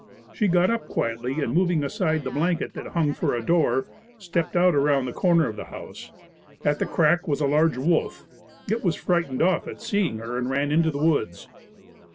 She got up quietly and moving aside the blanket that hung for a door, stepped out around the corner of the house. At the crack was a large wolf. It was frightened off at seeing her and ran into the woods.